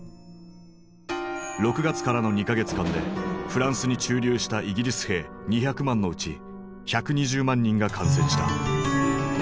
６月からの２か月間でフランスに駐留したイギリス兵２００万のうち１２０万人が感染した。